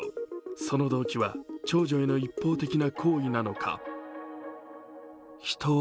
その動機は長女への一方的な好意なのか。